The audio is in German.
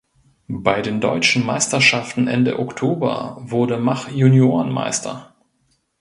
Bei den deutschen Meisterschaften Ende Oktober wurde Mach Juniorenmeister.